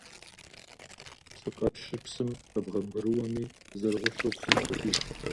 Псыкъэпщыр псым щӀэбгъэмбрыуэми, зэрыгъущэу псым къыхокӀыж.